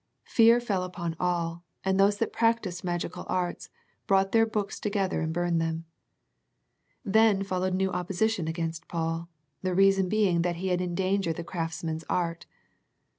Fear fell upon all, and those that practiced magical arts, brought their books together and burned them. Then followed new opposition against Paul, the reason being that he had endangered the craftsmen's art.